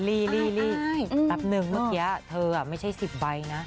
รีบแป๊บนึงเมื่อกี้เธอไม่ใช่๑๐ใบนะ